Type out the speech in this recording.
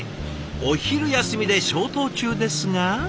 お昼休みで消灯中ですが。